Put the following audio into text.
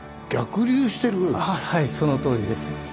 ああはいそのとおりです。